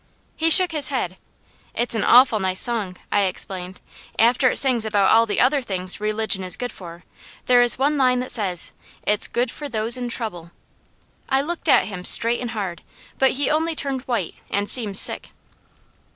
'" He shook his head. "It's an awful nice song," I explained. "After it sings about all the other things religion is good for, there is one line that says: 'IT'S GOOD FOR THOSE IN TROUBLE.'" I looked at him straight and hard, but he only turned white and seemed sick.